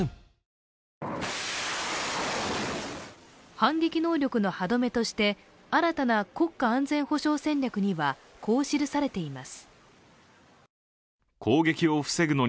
反撃能力の歯止めとして新たな国家安全保障戦略にはこう記されています。